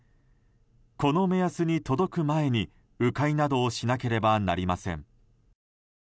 この目安に届く前に、迂回などをしなければなりません。